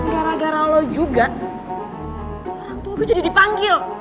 gara gara lo juga orang tua gue jadi dipanggil